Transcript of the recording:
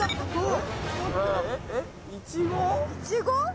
イチゴ？